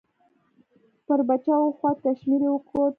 پر پچه وخوت، کشمیر یې وکوت.